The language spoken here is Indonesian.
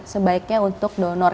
sebaiknya untuk donor